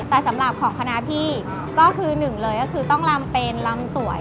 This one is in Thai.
แต่สำหรับของคณะพี่ก็คือหนึ่งเลยก็คือต้องลำเป็นลำสวย